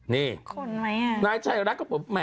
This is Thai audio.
นี่นายชายรัฐกับผม